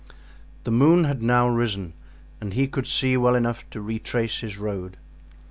The moon had now risen and he could see well enough to retrace his road.